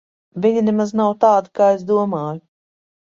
Viņa nemaz nav tāda, kā es domāju.